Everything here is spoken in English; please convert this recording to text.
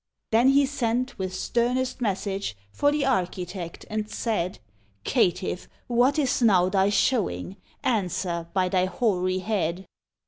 Then he sent, with sternest message, For the architect, and said "Caitiff, what is now thy showing? Answer, by thy hoary head!"